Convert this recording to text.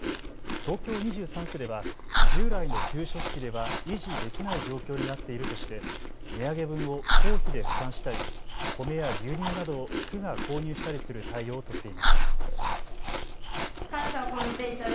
東京２３区では従来の給食費では維持できない状況になっているとして値上げ分を公費で負担したり米や牛乳などを区が購入したりする対応を取っています。